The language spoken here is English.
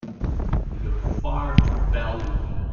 You're far too valuable!